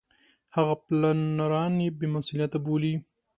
هغه پلانران بې مسولیته بولي.